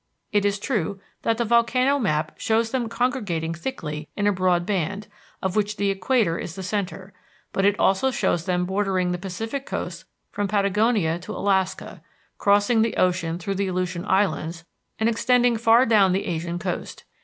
It is true that the volcano map shows them congregating thickly in a broad band, of which the equator is the centre, but it also shows them bordering the Pacific Coast from Patagonia to Alaska, crossing the ocean through the Aleutian Islands, and extending far down the Asian coast.